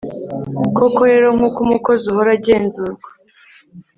koko rero, nk'uko umukozi uhora agenzurwa